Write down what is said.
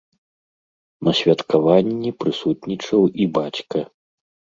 На святкаванні прысутнічаў і бацька.